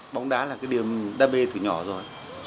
bóng đá là cái điểm đa bê từ nhỏ rồi